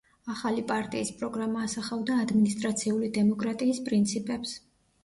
ახალი პარტიის პროგრამა ასახავდა ადმინისტრაციული დემოკრატიის პრინციპებს.